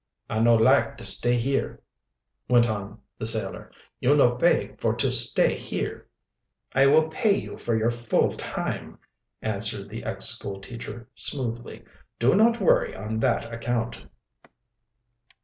"I no lak to stay here," went on the sailor, "You no pay for to stay here." "I will pay you for your full time," answered the ex school teacher smoothly. "Do not worry on that account."